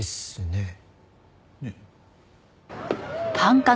ねえ。